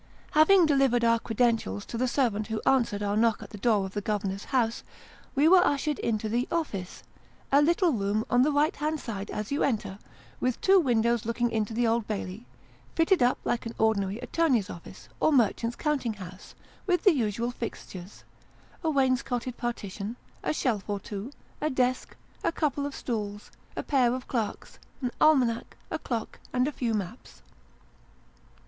Having delivered our credentials to the servant who answered our knock at the door of the governor's house, we were ushered into the " office ;" a little room, on the right hand side as you enter, with two windows looking into the Old Bailey : fitted up like an ordinary attorney's office, or merchant's counting house, with the usual fixtures a wainscoted partition, a shelf or two, a desk, a couple of stools, a pair of clerks, an almanack, a clock, and a few maps.